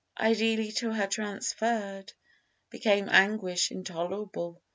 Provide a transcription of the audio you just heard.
Ideally to her transferred, became Anguish intolerable.